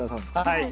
はい。